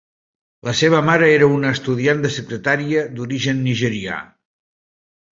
La seva mare era una estudiant de secretària d'origen nigerià.